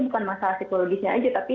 bukan masalah psikologisnya aja tapi